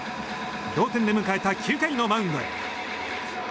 同点で迎えた９回のマウンドへ。